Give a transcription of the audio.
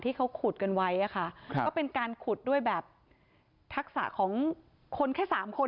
ที่เขาขุดกันไว้อะค่ะก็เป็นการขุดด้วยแบบทักษะของคนแค่สามคน